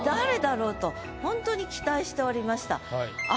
とホントに期待しておりました。